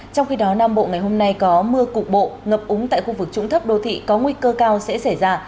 trong khi đó nam bộ ngày hôm nay có mưa cục bộ ngập úng tại khu vực trũng thấp đô thị có nguy cơ cao sẽ xảy ra